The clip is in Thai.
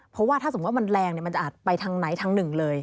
เพราะว่าถ้าสมมุติมันแรงมันจะอาจไปทางไหนทางหนึ่งเลย